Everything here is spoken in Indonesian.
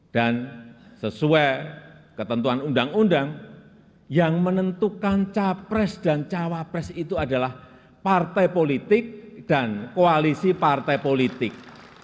dan sesuai ketentuan undang undang yang menentukan capres dan cawapres itu adalah partai politik dan koalisi partai politik